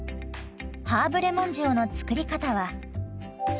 ハーブレモン塩の作り方は？